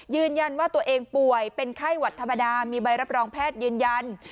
ยืนยันว่าตัวเองป่วยเป็นไข้หวัดธรรมดามีใบรับรองแพทย์ยืนยัน